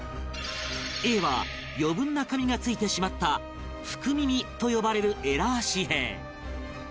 Ａ は余分な紙が付いてしまった福耳と呼ばれるエラー紙幣